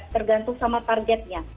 tergantung sama targetnya